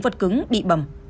vật cứng bị bầm